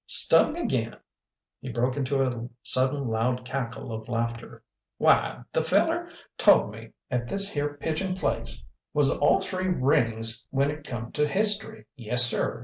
"Stung again!" He broke into a sudden loud cackle of laughter. "Why! the feller tole me 'at this here Pigeon place was all three rings when it come t' history. Yessir!